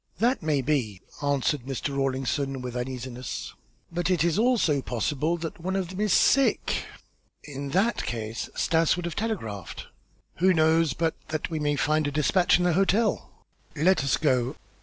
"That may be," answered Mr. Rawlinson, with uneasiness, "but it also may be possible that one of them is sick." "In that case Stas would have telegraphed." "Who knows but that we may find a despatch in the hotel?" "Let us go."